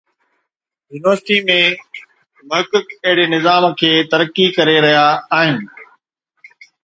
university ۾ محقق اهڙي نظام کي ترقي ڪري رهيا آهن